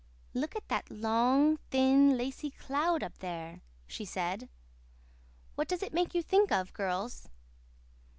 "Look at that long, thin, lacy cloud up there," she said. "What does it make you think of, girls?"